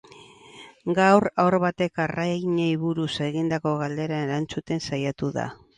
Gaur, haur batek arrainei buruz egindako galdera erantzuten saiatu da.